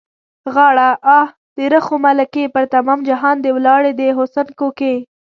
غاړه؛ آ، درخو ملکې! پر تمام جهان دې ولاړې د حُسن کوکې.